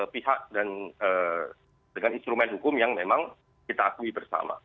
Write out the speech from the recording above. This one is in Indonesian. pihak dan dengan instrumen hukum yang memang kita akui bersama